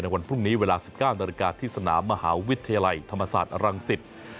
วันพรุ่งนี้เวลา๑๙นาฬิกาที่สนามมหาวิทยาลัยธรรมศาสตร์รังสิต